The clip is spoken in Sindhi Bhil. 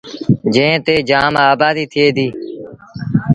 جݩهݩ تي جآم آبآديٚ ٿئي ديٚ۔